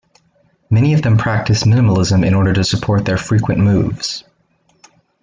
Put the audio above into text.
Many of them practice minimalism in order to support their frequent moves.